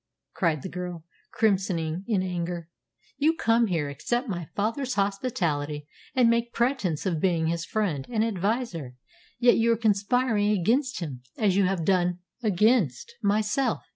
cried the girl, crimsoning in anger. "You come here, accept my father's hospitality, and make pretence of being his friend and adviser; yet you are conspiring against him, as you have done against myself!"